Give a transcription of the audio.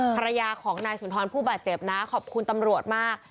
ภรรยาของนายสุนทรผู้บาดเจ็บนะขอบคุณตำรวจมาก